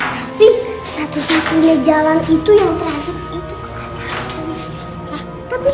tapi satu satunya jalan itu yang terakhir itu ke atas